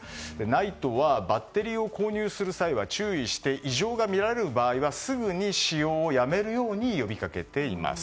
ＮＩＴＥはバッテリーを購入する際は注意して異常が見られる場合にはすぐに使用をやめるように呼びかけています。